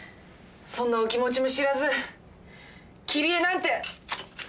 そんなお気持ちも知らず切り絵なんて。